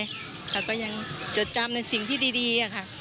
เขาก็ยังจดจำในสิ่งที่ดีค่ะ